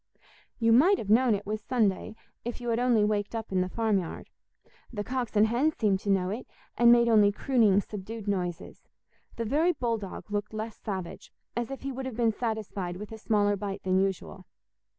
You might have known it was Sunday if you had only waked up in the farmyard. The cocks and hens seemed to know it, and made only crooning subdued noises; the very bull dog looked less savage, as if he would have been satisfied with a smaller bite than usual.